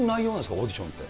オーディションって。